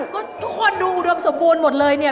ก็ทุกคนดูอุดมสมบูรณ์หมดเลยเนี่ย